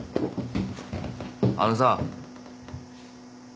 あのさ。